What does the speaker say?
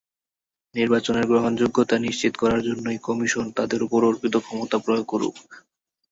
নির্বাচনের গ্রহণযোগ্যতা নিশ্চিত করার জন্যই কমিশন তাদের ওপর অর্পিত ক্ষমতা প্রয়োগ করুক।